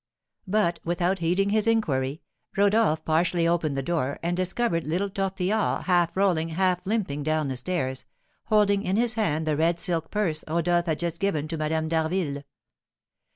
But, without heeding his inquiry, Rodolph partially opened the door, and discovered little Tortillard half rolling, half limping, down the stairs, holding in his hand the red silk purse Rodolph had just given to Madame d'Harville.